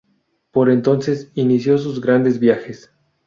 Por entonces inició sus grandes viajes.